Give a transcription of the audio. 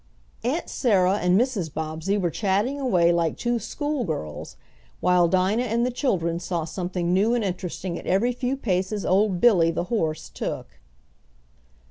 Aunt Sarah and Mrs. Bobbsey were chatting away like two schoolgirls, while Dinah and the children saw something new and interesting at every few paces old Billy, the horse, took.